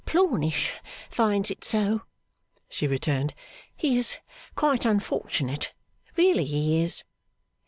'Plornish finds it so,' she returned. 'He is quite unfortunate. Really he is.